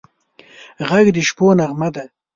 غږ د شپو نغمه ده